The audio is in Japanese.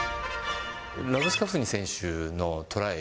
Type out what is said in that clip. ラブスカフニ選手のトライ。